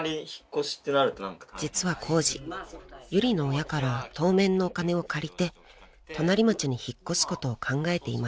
［実はコウジユリの親から当面のお金を借りて隣町に引っ越すことを考えていました］